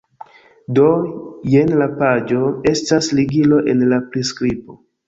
Do, jen la paĝo estas ligilo en la priskribo